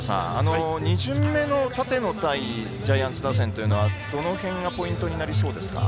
２巡目の立野、対ジャイアンツ打線というのはどの辺がポイントになりますか。